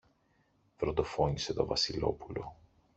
βροντοφώνησε το Βασιλόπουλο.